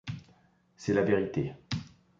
C’est la vérité.